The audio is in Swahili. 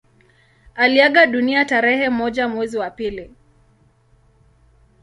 Aliaga dunia tarehe moja mwezi wa pili